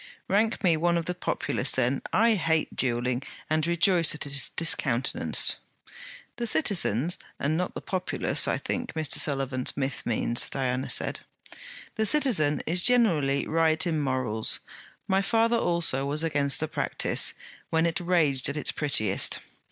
'Rank me one of the populace then! I hate duelling and rejoice that it is discountenanced.' 'The citizens, and not the populace, I think Mr. Sullivan Smith means,' Diana said. 'The citizen is generally right in morals. My father also was against the practice, when it raged at its "prettiest."